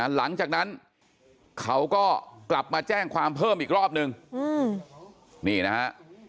หลังจากนั้นเขาก็กลับมาแจ้งความเพิ่มอีกรอบนึงนี่นะฮะ